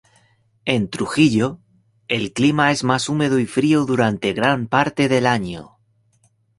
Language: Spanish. En Trujillo, el clima es más húmedo y frío durante gran parte del año.